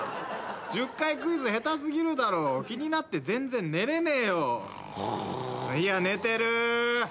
１０回クイズ下手過ぎるだろ気になって全然寝れねえよ。いや寝てる。